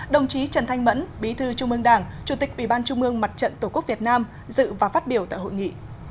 đồng chí trần thanh mẫn bí thư trung ương đảng chủ tịch ủy ban trung ương mặt trận tổ quốc việt nam dự và phát biểu tại hội nghị